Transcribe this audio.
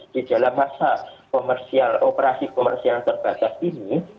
di dalam masa operasi komersial terbatas ini